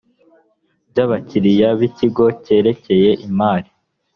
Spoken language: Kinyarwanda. by abakiliya b ikigo cyerekeye imari